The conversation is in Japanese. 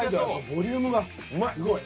ボリュームがすごい。